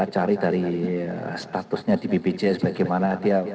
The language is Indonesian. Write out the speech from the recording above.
cari dari statusnya di bp chanda bagaimana dia